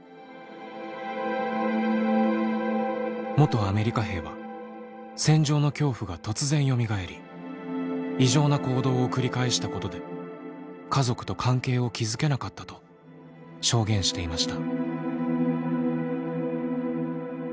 元アメリカ兵は戦場の恐怖が突然よみがえり異常な行動を繰り返したことで家族と関係を築けなかったと証言していました。